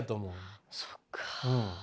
そっかあ。